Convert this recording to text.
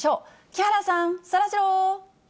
木原さん、そらジロー。